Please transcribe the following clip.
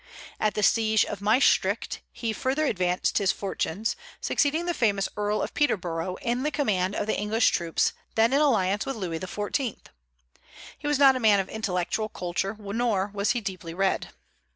At the siege of Maestricht he further advanced his fortunes, succeeding the famous Earl of Peterborough in the command of the English troops, then in alliance with Louis XIV. He was not a man of intellectual culture, nor was he deeply read.